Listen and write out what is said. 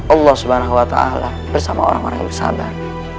allah swt bersama orang orang yang bersabar